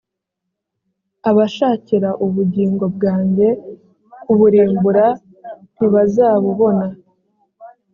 abashakira ubugingo bwanjye kuburimbura ntibazabubona.